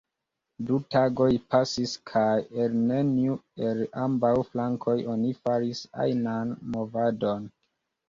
Du tagoj pasis kaj el neniu el ambaŭ flankoj oni faris ajnan movadon.